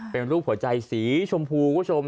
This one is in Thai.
เป็นรูปหัวใจสีชมพู็ทรง